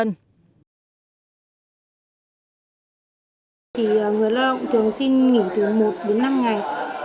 thì người lao động thường xin nghỉ từ một đến năm ngày